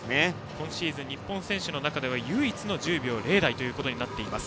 今シーズン日本選手の中で唯一の１０秒０台となっています。